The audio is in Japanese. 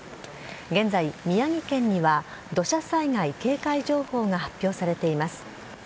現在、宮城県には土砂災害警戒情報が発表されています。